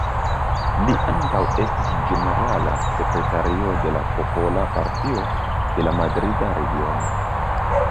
Li ankaŭ estis ĝenerala sekretario de la Popola Partio de la Madrida Regiono.